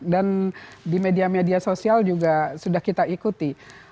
dan di media media sosial juga sudah kita ikuti